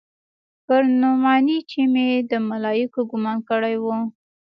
پر نعماني چې مې د ملايکو ګومان کړى و.